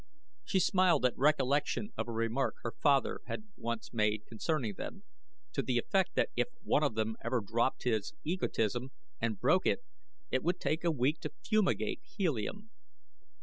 She smiled at recollection of a remark her father had once made concerning them, to the effect that if one of them ever dropped his egotism and broke it it would take a week to fumigate Helium.